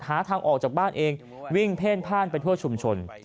หาทางออกจากบ้านเองวิ่งเพ่นพ่านไปทั่วชุมชน